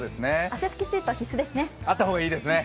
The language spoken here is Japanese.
汗ふきシート、必須ですね。